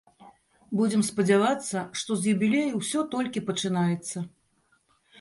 Будзем спадзявацца, што з юбілею ўсё толькі пачынаецца.